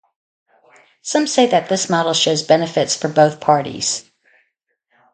Some say that this model shows benefits for both parties.